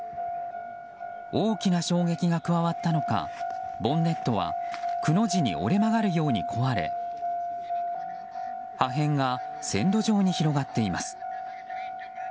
大きな衝撃が加わったのかボンネットはくの字に折れ曲がるように壊れ破片が線路上に広がっています。